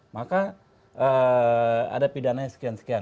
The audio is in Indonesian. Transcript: maka ada pidana yang sekian sekian